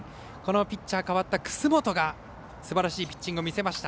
ピッチャー代わった楠本がすばらしいピッチングを見せました。